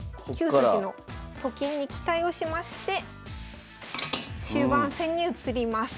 ９筋のと金に期待をしまして終盤戦に移ります。